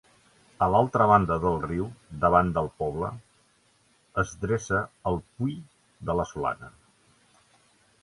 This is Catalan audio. A l'altra banda del riu, davant del poble, es dreça el Pui de la Solana.